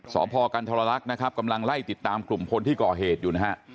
สพกันทรลักษณ์นะครับกำลังไล่ติดตามกลุ่มคนที่ก่อเหตุอยู่นะฮะ